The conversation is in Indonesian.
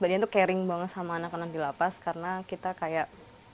tadi itu caring banget sama anak anak di lapas karena kita kayak